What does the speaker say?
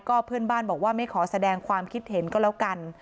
เพื่อนบ้านบอกว่าไม่ขอแสดงความคิดเห็นก็แล้วกัน